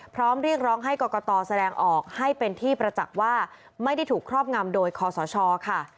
พร้อมเรียกร้องให้กรกตแสดงออกให้เป็นที่ประจักษ์ว่าไม่ได้ถูกครอบงำโดยคอสชค่ะ